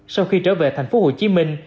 sau khi trở về thành phố hồ chí minh